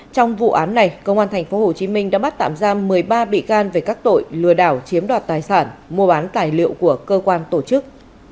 trong vụ án này công an tp hcm đã bắt tạm giam một mươi ba bị can về các tội lừa đảo chiếm đoạt tài sản mua bán tài liệu của cơ quan tổ chức